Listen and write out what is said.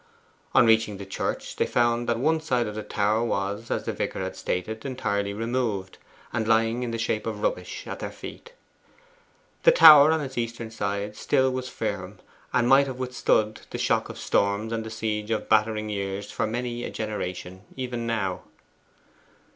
On reaching the church they found that one side of the tower was, as the vicar had stated, entirely removed, and lying in the shape of rubbish at their feet. The tower on its eastern side still was firm, and might have withstood the shock of storms and the siege of battering years for many a generation even now.